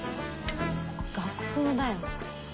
学校だよ。